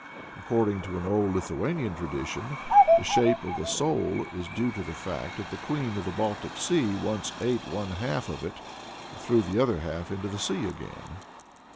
According to an old Lithuanian tradition, the shape of the sole is due to the fact that the Queen of the Baltic Sea once ate one half of it and threw the other half into the sea again.